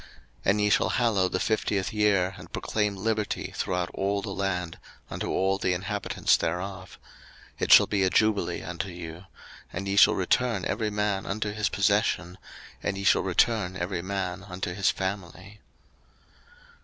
03:025:010 And ye shall hallow the fiftieth year, and proclaim liberty throughout all the land unto all the inhabitants thereof: it shall be a jubile unto you; and ye shall return every man unto his possession, and ye shall return every man unto his family.